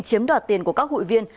chiếm đoạt tiền của các hội viên